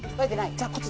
じゃあこっち